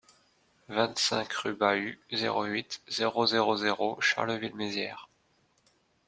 vingt-cinq rue Bahut, zéro huit, zéro zéro zéro Charleville-Mézières